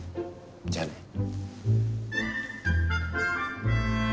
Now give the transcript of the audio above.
じゃあね。